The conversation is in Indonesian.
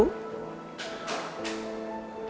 pertanyaan yang terakhir